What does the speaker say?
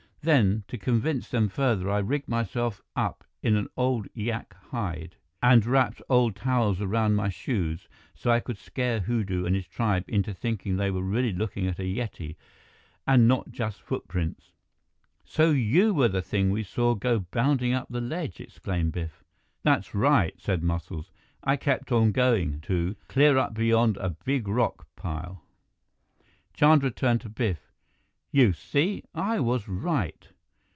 "Then, to convince them further, I rigged myself up in an old yak hide and wrapped old towels around my shoes, so I could scare Hurdu and his tribe into thinking they were really looking at a Yeti and not just his footprints." "So you were the thing we saw go bounding up the ledge!" exclaimed Biff. "That's right," said Muscles. "I kept on going, too, clear up beyond a big rock pile." Chandra turned to Biff. "You see? I was right."